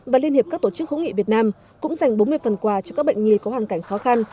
và liên hiệp các tổ chức hữu nghị việt nam cũng dành bốn mươi phần quà cho các bệnh nhi có hoàn cảnh khó khăn